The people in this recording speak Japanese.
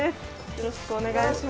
よろしくお願いします。